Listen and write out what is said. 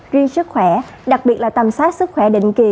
riêng sức khỏe đặc biệt là tầm soát sức khỏe định kỳ